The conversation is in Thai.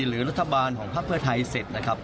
หรือรัฐบาลของพักเพื่อไทยเสร็จนะครับ